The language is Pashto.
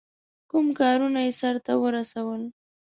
کوم کارونه یې سرته ورسول.